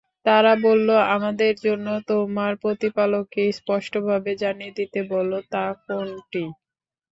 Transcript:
তারা বলল, আমাদের জন্য তোমার প্রতিপালককে স্পষ্টভাবে জানিয়ে দিতে বল, তা কোনটি?